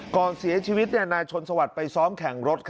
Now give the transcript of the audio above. ก่อนเสียชีวิตนายชนสวัสดิ์ไปซ้อมแข่งรถ